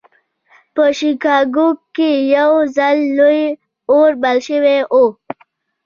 په شيکاګو کې يو ځل لوی اور بل شوی و.